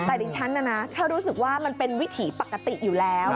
แต่ดิฉันนะนะแค่รู้สึกว่ามันเป็นวิถีปกติอยู่แล้ว